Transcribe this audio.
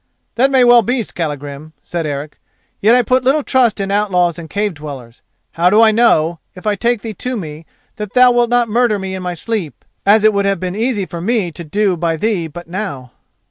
"That may well be, Skallagrim," said Eric, "yet I put little trust in outlaws and cave dwellers. How do I know, if I take thee to me, that thou wilt not murder me in my sleep, as it would have been easy for me to do by thee but now?"